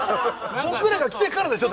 僕らが来てからでしょ？